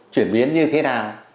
chuyển biến như thế nào